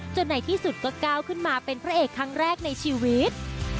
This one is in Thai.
ในที่สุดก็ก้าวขึ้นมาเป็นพระเอกครั้งแรกในชีวิต